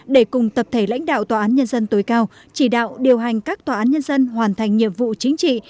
để cùng tập thể lãnh đạo tòa án nhân dân tối cao chỉ đạo điều hành các tòa án nhân dân hoàn thành nhiệm vụ chính trị